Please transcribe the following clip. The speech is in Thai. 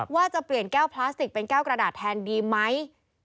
ว่าจะเปลี่ยนแก้วพลาสติกเป็นแก้วกระดาษแทนดีไหม